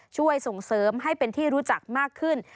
ช่วยส่งเสริมให้เป็นที่รู้จักมากขึ้น